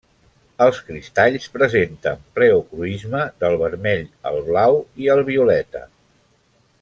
Els cristalls presenten pleocroisme del vermell al blau al violeta.